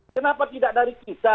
kenapa tidak dari kita